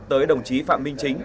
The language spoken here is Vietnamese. tới đồng chí phạm minh chính